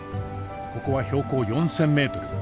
ここは標高４，０００メートル